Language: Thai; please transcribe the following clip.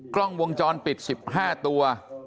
กล้องวงจรปิด๑๕ตัว